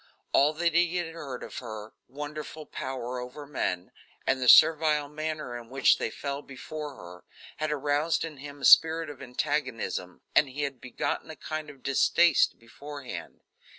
All that he had heard of her wonderful power over men, and the servile manner in which they fell before her, had aroused in him a spirit of antagonism, and had begotten a kind of distaste beforehand.